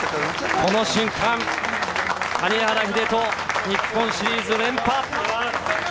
この瞬間、谷原秀人が日本シリーズ連覇。